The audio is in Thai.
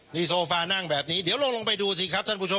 มีโซฟานั่งแบบนี้เดี๋ยวลองลงไปดูสิครับท่านผู้ชม